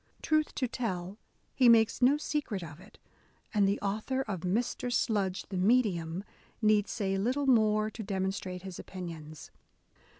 Truth to tell, he makes no secret of it, and the author of Mr, Sludge the Medium need say little more to demonstrate his opinions.